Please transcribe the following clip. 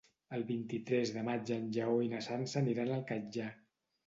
El vint-i-tres de maig en Lleó i na Sança aniran al Catllar.